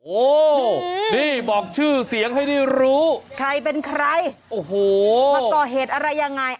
โอ้โหนี่บอกชื่อเสียงให้ได้รู้ใครเป็นใครโอ้โหมาก่อเหตุอะไรยังไง